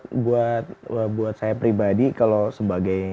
ya buat saya pribadi kalau sebagai